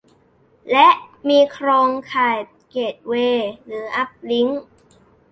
และ มีโครงข่ายเกตเวย์ หรือ อัพลิงค์